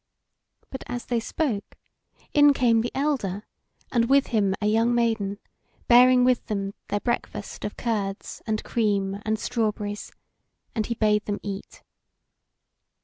But as they spoke, in came the elder, and with him a young maiden, bearing with them their breakfast of curds arid cream and strawberries, and he bade them eat.